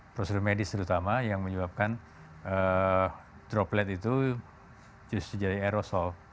prosedur medis terutama yang menyebabkan droplet itu justru jadi aerosol